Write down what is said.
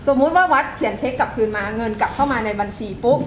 ว่าวัดเขียนเช็คกลับคืนมาเงินกลับเข้ามาในบัญชีปุ๊บ